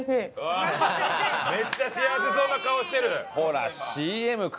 めっちゃ幸せそうな顔してる！